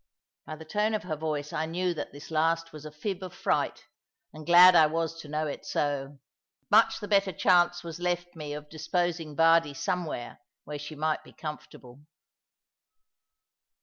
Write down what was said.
By the tone of her voice I knew that this last was a fib of fright, and glad I was to know it so. Much the better chance was left me of disposing Bardie somewhere, where she might be comfortable.